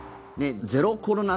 ゼロコロナ